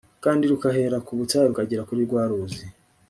kandi rugahera ku butayu rukagera kuri rwa ruzi